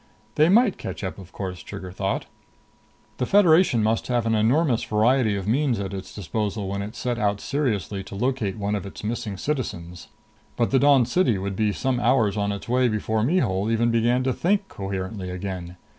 They might catch up, of course, Trigger thought. The Federation must have an enormous variety of means at its disposal when it set out seriously to locate one of its missing citizens. But the Dawn City would be some hours on its way before Mihul even began to think coherently again.